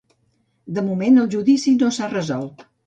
De moment el judici no s'ha resolt.